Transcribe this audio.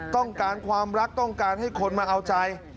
ต้องการความรักต้องการให้คนมาเอาใจ